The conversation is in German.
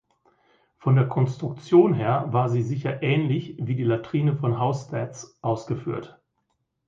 Von der Konstruktion her war sie sicher ähnlich wie die Latrine von Housesteads ausgeführt.